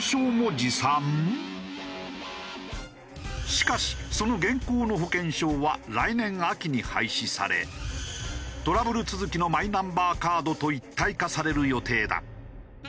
しかしその現行の保険証は来年秋に廃止されトラブル続きのマイナンバーカードと一体化される予定だ。